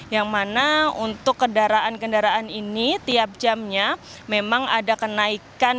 yang mana untuk kendaraan kendaraan ini tiap jamnya memang ada kenaikan